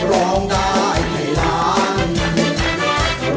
ร้องได้ให้ล้าน